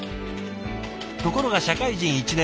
ところが社会人１年目